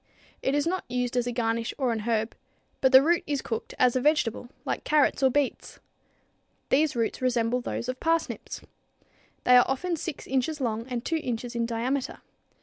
It is not used as a garnish or an herb, but the root is cooked as a vegetable like carrots or beets. These roots resemble those of parsnips. They are often 6 inches long and 2 inches in diameter.